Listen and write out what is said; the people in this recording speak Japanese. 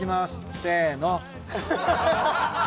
せの。